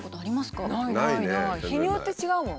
日によって違うもん。